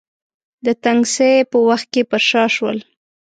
د تنګسې په وخت کې پر شا شول.